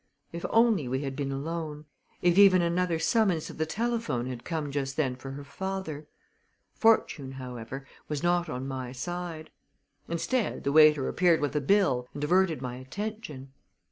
If only we had been alone if even another summons to the telephone had come just then for her father! Fortune, however, was not on my side. Instead, the waiter appeared with the bill and diverted my attention.